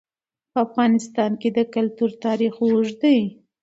په افغانستان کې د کلتور تاریخ اوږد دی.